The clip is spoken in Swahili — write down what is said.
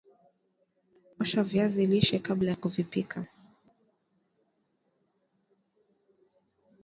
osha viazi lishe kabla ya kuvipika